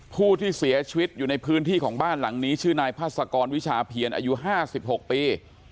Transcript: ผู้ที่เสียชีวิตอยู่ในพื้นที่ของบ้านหลังนี้ชื่อนายพาสกรวิชาเพียรอายุ๕๖ปี